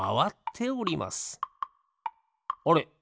あれ？